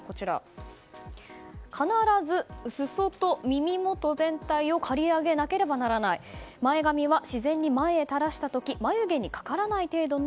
必ず裾と耳元全体を刈り上げなければならない前髪は自然に前へ垂らした時眉毛にかからない程度の